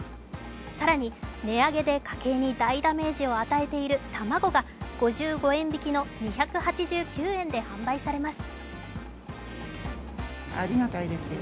更に、値上げで家計に大ダメージを与えている卵が５５円引きの２８９円で販売されます。